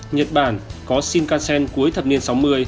nhật bản có shinkansen cuối thập niên sáu mươi